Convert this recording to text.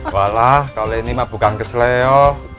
walah kali ini mah bukan kesel ya